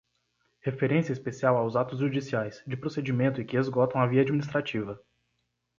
Referência especial aos atos judiciais, de procedimento e que esgotam a via administrativa.